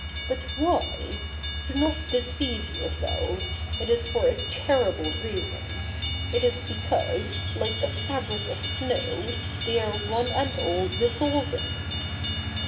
But why ? Do not deceive yourselves ; it is for a terrible reason. It is because, like a fabric of snow, they are one and all dissolving.